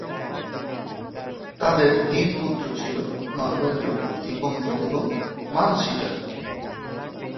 তাদের তিন পুত্র ছিল- মানবেন্দ্র, দীপঙ্কর এবং মানসীজা।